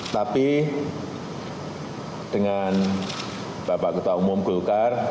tapi dengan bapak ketua umum golkar